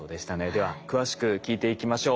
では詳しく聞いていきましょう。